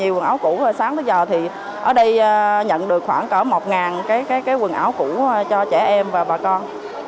nhiều quần áo cũ rồi sáng tới giờ thì ở đây nhận được khoảng cỡ một cái quần áo cũ cho trẻ em và bà con